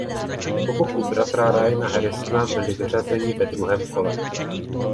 Po boku bratra Ryana Harrisona byli vyřazeni ve druhém kole.